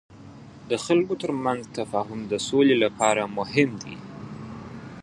د خلکو ترمنځ تفاهم د سولې لپاره مهم دی.